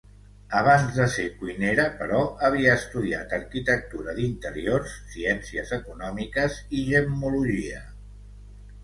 Abans de ser cuinera, però, havia estudiat arquitectura d'interiors, ciències econòmiques i gemmologia.